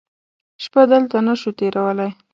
شپه دلته نه شو تېرولی.